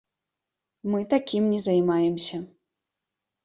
Мы такім не займаемся.